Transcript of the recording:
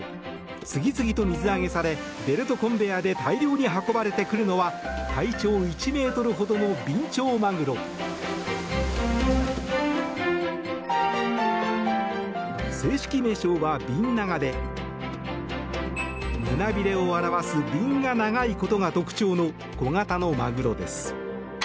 次々と水揚げされベルトコンベヤーで大量に運ばれてくるのは体長１ｍほどのビンチョウマグロ。正式名称はビンナガで胸びれを表すビンが長いことが特徴の小型のマグロです。